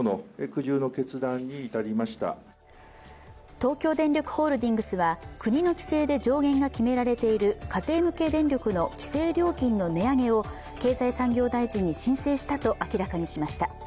東京電力ホールディングスは国の規制で上限が決められている家庭向け電力の規制料金の値上げを経済産業大臣に申請したと明らかにしました。